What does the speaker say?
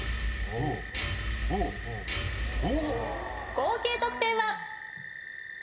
合計得点は。